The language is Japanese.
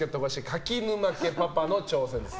柿沼家パパの挑戦です。